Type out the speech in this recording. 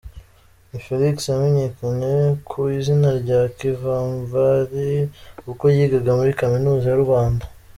N Felix: Yamenyekanye ku izina rya Kivamvari ubwo yigaga muri Kaminuza y’u Rwanda .